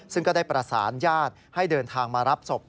ซึ่งก็ได้ประสานญาติให้เดินทางมารับศพ